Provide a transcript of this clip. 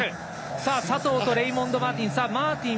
さあ佐藤とレイモンド・マーティン。